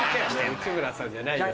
内村さんじゃないの。